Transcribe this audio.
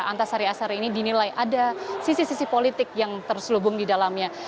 antasari asar ini dinilai ada sisi sisi politik yang terselubung di dalamnya